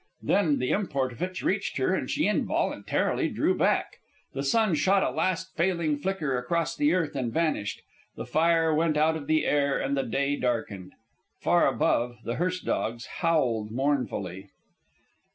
Then the import of it reached her and she involuntarily drew back. The sun shot a last failing flicker across the earth and vanished. The fire went out of the air, and the day darkened. Far above, the hearse dogs howled mournfully.